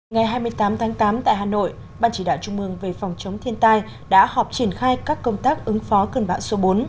ngày hai mươi tám tháng tám tại hà nội ban chỉ đạo trung mương về phòng chống thiên tai đã họp triển khai các công tác ứng phó cơn bão số bốn